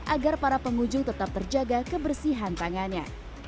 agar para pengunjung tetap terjaga kebersihan tangannya